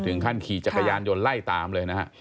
ถึงขั้นขี่จักรยานยนต์ไล่ตามเลยนะฮะ